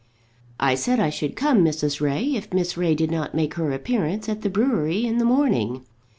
"I said I should come, Mrs. Ray, if Miss Ray did not make her appearance at the brewery in the morning.